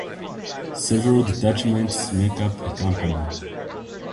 Several detachments make up a company.